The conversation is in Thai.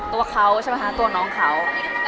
ตัวเขาใช่ปะครับตัวน้องเขา